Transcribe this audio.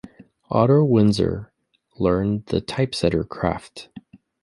Otto Winzer learned the typesetter craft.